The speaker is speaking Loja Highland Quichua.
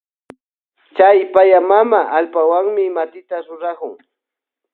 Chay papa mana allpawanmi matita rurakun.